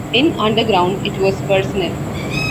In "Underground", it was personal.